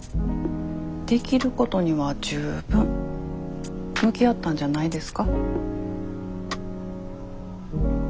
できることには十分向き合ったんじゃないですか？